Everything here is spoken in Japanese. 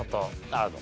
なるほど。